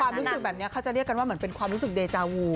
รู้สึกแบบนี้เขาจะเรียกกันว่าเหมือนเป็นความรู้สึกเดจาวู